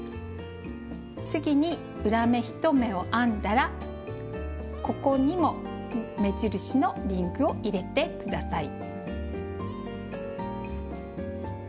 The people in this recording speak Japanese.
次に裏目１目を編んだらここにも目印のリングを入れて下さい。